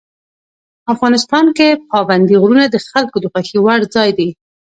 افغانستان کې پابندي غرونه د خلکو د خوښې وړ ځای دی.